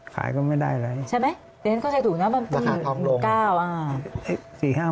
ขายก็ไม่ได้เลยนะครับราคาคล้อมลง